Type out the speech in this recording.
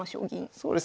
そうですね。